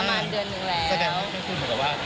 ประมาณเดือนนึงแล้ว